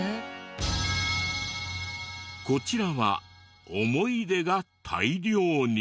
こちらは思い出が大量に。